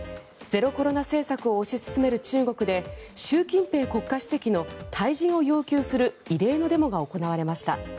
ゼロコロナ政策を推し進める中国で、習近平国家主席の退陣を要求する異例のデモが行われました。